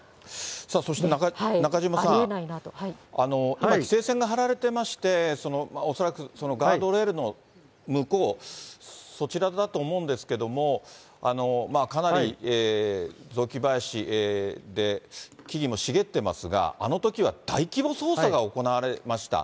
そして中島さん、今、規制線が張られてまして、恐らくガードレールの向こう、そちらだと思うんですけれども、かなり雑木林で、木々も茂ってますが、あのときは大規模捜査が行われました。